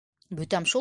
Бөтәм шул!